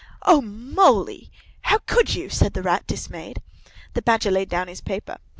'" "O Moly, how could you?" said the Rat, dismayed. The Badger laid down his paper.